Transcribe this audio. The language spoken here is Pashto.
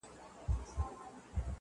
o هوښياره مرغۍ په دوو لومو کي بندېږي.